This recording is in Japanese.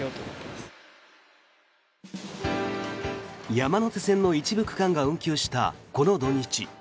山手線の一部区間が運休したこの土日。